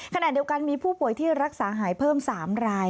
ขณะเดียวกันมีผู้ป่วยที่รักษาหายเพิ่ม๓ราย